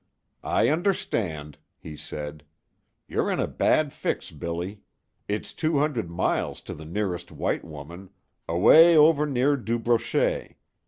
"I understand," he said. "You're in a bad fix, Billy. It's two hundred miles to the nearest white woman, away over near Du Brochet.